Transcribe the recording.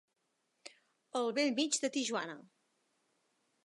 Al bell mig de Tijuana.